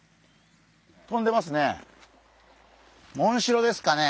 とんでますね！